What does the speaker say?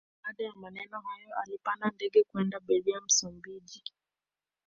Mara baada ya maneno hayo alipanda ndege kwenda Beira Msumbiji